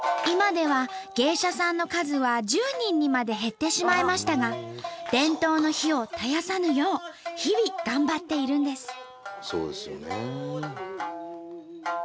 今では芸者さんの数は１０人にまで減ってしまいましたが伝統の灯を絶やさぬよう日々頑張っているんです。